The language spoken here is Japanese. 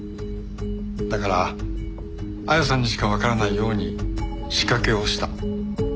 だから亜矢さんにしかわからないように仕掛けをした。